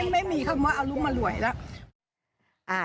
ไม่มีคำว่าอรุมอร่วยแล้ว